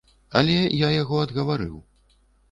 Але я яго адгаварыў.